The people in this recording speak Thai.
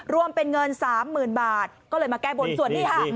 รวมเป็นเงิน๓๐๐๐บาทก็เลยมาแก้บนส่วนนี้ค่ะ